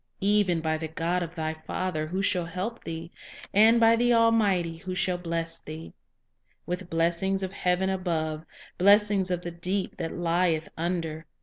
. Even by the God of thy father, who shall help thee; And by the Almighty, who shall bless thee With blessings of heaven above, Blessings of the deep that lieth under